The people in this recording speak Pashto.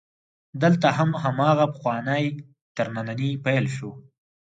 دلته هم هماغه پخوانی ترننی پیل شو.